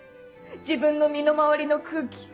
自分の身の回りの空気。